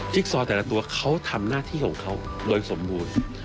ซอแต่ละตัวเขาทำหน้าที่ของเขาโดยสมบูรณ์